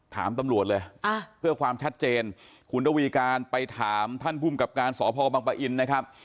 ถามตำรวจเลยเพื่อความชัดเจนคุณระวีการไปถามท่านภูมิกับการสพบังปะอินนะครับ